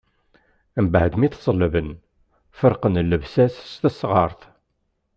Mbeɛd mi t-ṣellben, ferqen llebsa-s s tesɣart.